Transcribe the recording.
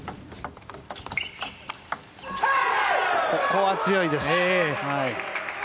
ここは強いです。